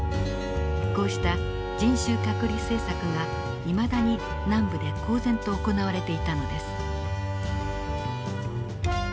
こうした人種隔離政策がいまだに南部で公然と行われていたのです。